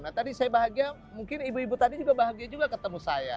nah tadi saya bahagia mungkin ibu ibu tadi juga bahagia juga ketemu saya